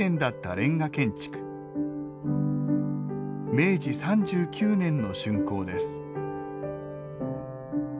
明治３９年の竣工です